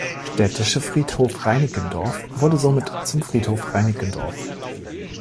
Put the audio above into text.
Städtische Friedhof Reinickendorf" wurde somit zum Friedhof Reinickendorf.